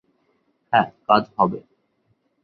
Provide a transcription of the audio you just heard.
হ্যাঁ, কাজ হবে।